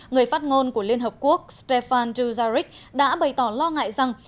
người phát ngôn của liên hợp quốc stefan duzarik đã bày tỏ lo ngại rằng